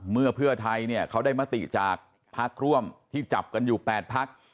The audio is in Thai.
เมื่อเพื่อไทยเนี่ยเขาได้มติจากพักร่วมที่จับกันอยู่๘พัก